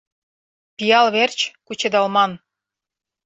«Пиал верч кучедалман...»